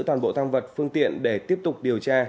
toàn bộ thăng vật phương tiện để tiếp tục điều tra